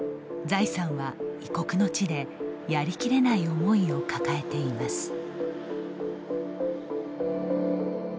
ザイさんは異国の地でやりきれない思いを抱えています。